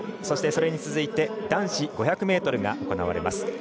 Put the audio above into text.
そして、それに続いて男子５００ｍが行われます。